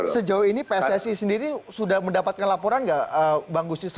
sejauh ini pssi sendiri sudah mendapatkan laporan nggak bang gusti